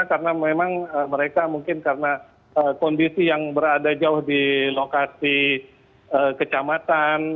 karena memang mereka mungkin karena kondisi yang berada jauh di lokasi kecamatan